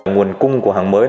nguồn cung của hàng mới